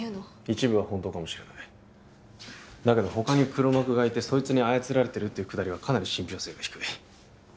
一部は本当かもしれないだけど他に黒幕がいてそいつに操られてるっていうくだりはかなり信ぴょう性が低い